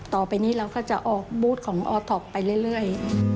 ต่อไปนี้เราก็จะออกบูธของออท็อปไปเรื่อย